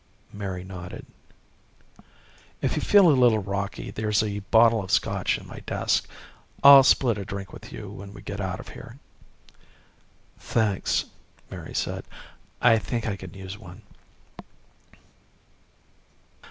Mary nodded. "If you feel a little rocky there's a bottle of Scotch in my desk. I'll split a drink with you when we get out of here." "Thanks," Mary said. "I think I could use one."